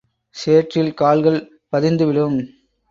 சேற்றில் கால்கள் பதிந்துவிடும்.